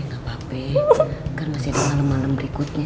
nggak apa apa kan masih ada malem malem berikutnya